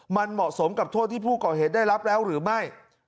มันเหมาะสมกับโทษที่ผู้ก่อเหตุได้รับแล้วหรือไม่